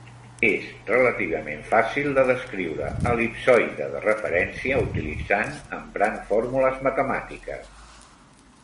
És relativament fàcil de descriure el·lipsoide de referència utilitzant emprant fórmules matemàtiques.